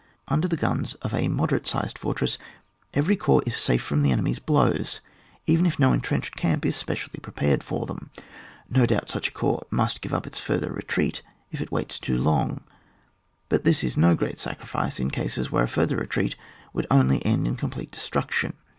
Under the guns of a moderate sized fortress every corps is safe from the enemy's blows, even if no entrenched camp is specially prepared for them. No doubt such a corps must give up its further retreat if it waits too long ; but this is no great sacrifice in cases where a further retreat would only end in com plete destruction.